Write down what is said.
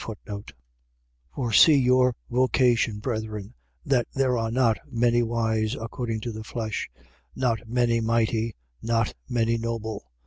For see your vocation, brethren, that there are not many wise according to the flesh, not many mighty, not many noble.